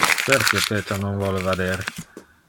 Perque Peter non vole vader?